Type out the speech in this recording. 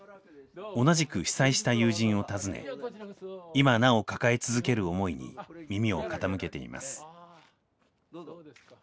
同じく被災した友人を訪ね今なお抱え続ける思いに耳を傾けています。